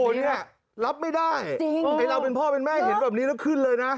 เนี่ยรับไม่ได้จริงไอ้เราเป็นพ่อเป็นแม่เห็นแบบนี้แล้วขึ้นเลยนะ